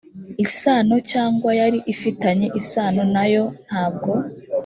isano cyangwa yari ifitanye isano nayo ntabwo